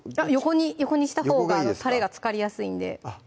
横横にしたほうがたれが漬かりやすいんであっ